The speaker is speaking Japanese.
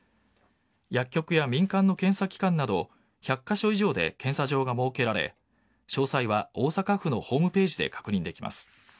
薬局や民間の検査機関など１００カ所以上で検査場が設けられ詳細は大阪府のホームページで確認できます。